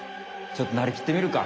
ちょっとなりきってみるか！